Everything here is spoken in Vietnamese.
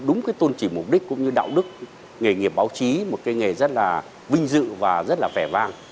đúng cái tôn trì mục đích cũng như đạo đức nghề nghiệp báo chí một cái nghề rất là vinh dự và rất là vẻ vang